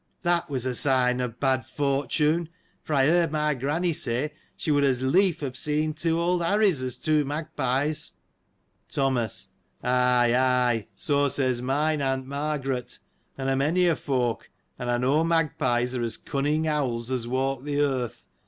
That was a sign of bad fortune : for I heard my granny say, she would as lief have seen two old Harries, as two magpies. Thomas. — Ay, ay, so says mine aunt Margaret, and a many a folk, and I know magpies are as cunning owls as walk the earth.